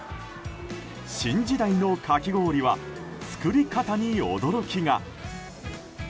新時代のかき氷は作り方に驚きが。